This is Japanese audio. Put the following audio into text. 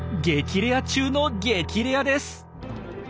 レア中の激レアです。